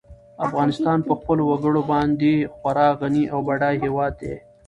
افغانستان په خپلو وګړي باندې خورا غني او بډای هېواد دی.